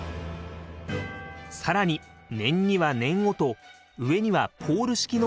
更に念には念をと上にはポール式の器具も設置。